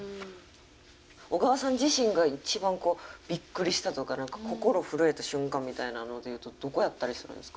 小川さん自身が一番びっくりしたとか心震えた瞬間みたいなので言うとどこやったりするんですか？